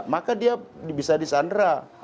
maka dia bisa disandera